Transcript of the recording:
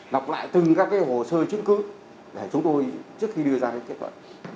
đọc lại từng các hồ sơ chứng cứ để chúng tôi trước khi đưa ra kết quả